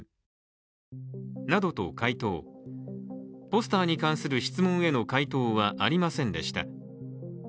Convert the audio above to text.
ポスターに関する質問への回答はありませんでした。